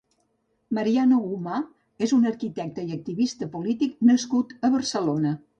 Mariano Gomà és un arquitecte i activista polític nascut a Barcelona.